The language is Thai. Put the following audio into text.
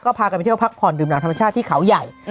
พากันไปเที่ยวพักผ่อนดื่มหลังธรรมชาติที่เขาใหญ่